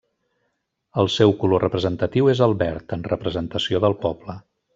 El seu color representatiu és el verd, en representació del poble.